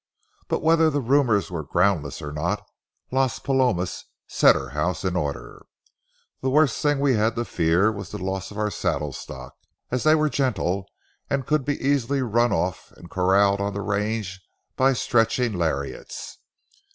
But whether the rumors were groundless or not, Las Palomas set her house in order. The worst thing we had to fear was the loss of our saddle stock, as they were gentle and could be easily run off and corralled on the range by stretching lariats.